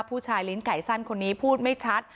ลิ้นไก่สั้นคนนี้พูดไม่ชัด